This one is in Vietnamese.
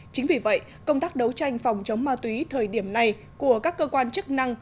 chính vì vậy công tác đấu tranh phòng chống ma túy thời điểm này của các cơ quan chức năng